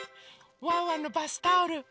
ワンワンのバスタオル。